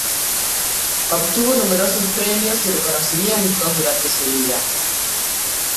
Obtuvo numerosos premios y reconocimientos durante su vida.